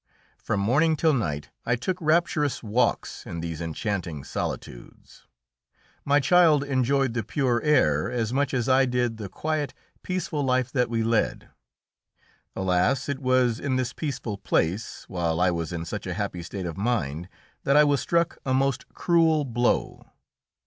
From morning till night I took rapturous walks in these enchanting solitudes. My child enjoyed the pure air as much as I did the quiet, peaceful life that we led. Alas! it was in this peaceful place, while I was in such a happy state of mind, that I was struck a most cruel blow.